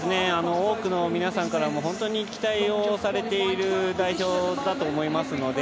多くの皆さんからもほんとに期待されている代表だと思います。